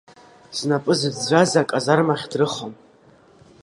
Знапы зыӡәӡәаз аказармахь дрыхон.